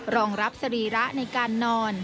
รองรับสรีระในการนอน